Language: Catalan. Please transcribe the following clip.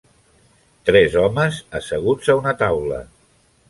Tres homes asseguts a una taula.